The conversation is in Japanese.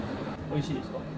おいしいですか？